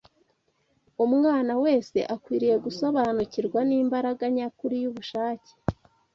Umwana wese akwiriye gusobanukirwa n’imbaraga nyakuri y’ubushake